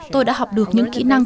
tôi đã học được những kỹ năng